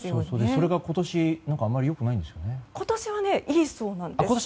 それが今年あまり良くないんですよね。